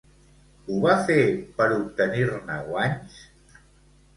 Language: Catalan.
Ho va fer per obtenir-ne guanys?